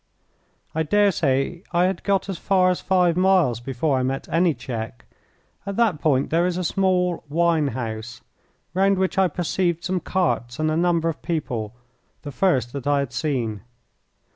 I dare say I had got as far as five miles before I met any check. At that point there is a small wine house, round which I perceived some carts and a number of people, the first that I had seen.